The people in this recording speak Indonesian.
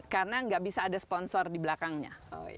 karena tidak bisa ada sponsor di belakangnya